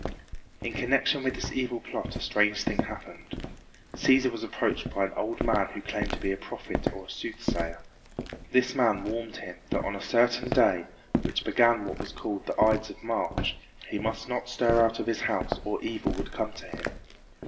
In connection with this evil plot a strange thing happened. Cæsar was approached by an old man who claimed to be a prophet or a soothsayer. This man warned him that on a certain day, which began what was called the Ides of March, he must not stir out of his house or evil would come to him.